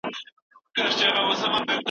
که موږ پلان جوړ کړو، نو اقتصاد به وده وکړي.